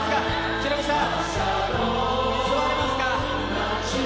ヒロミさん。